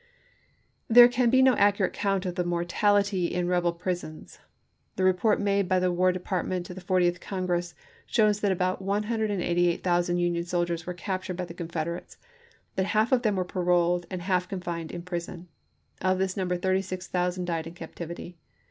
There can be no accurate count of the mortality in rebel prisons. The report made by the War Department to the Fortieth Congress shows that about 188,000 Union soldiers were captured by the Confederates ; that half of them were paroled, and half confined in prison ; of this number 36,000 died in captivity.